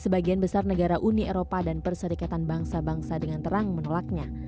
sebagian besar negara uni eropa dan persyarikatan bangsa bangsa dengan terang menolaknya